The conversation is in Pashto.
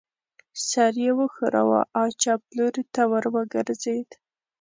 سر یې و ښوراوه او چپ لوري ته ور وګرځېد.